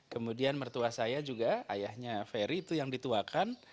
kemudian mertua saya juga ayahnya ferry itu yang dituakan